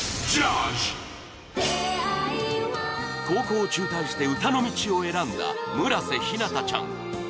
高校を中退して歌の道を選んだ村瀬ひなたちゃん。